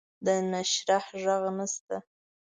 د نشریح ږغ نشته